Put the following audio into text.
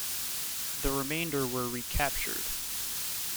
The remainder were recaptured.